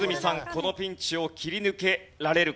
このピンチを切り抜けられるか？